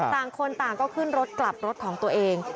ต่างคนต่างก็ขึ้นรถกลับรถของตัวเอง